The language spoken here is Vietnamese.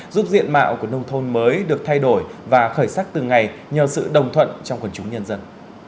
giúp diện mạo của nông thôn mới được thay đổi và khởi sắc từng ngày nhờ sự đồng thuận trong quần chúng nhân dân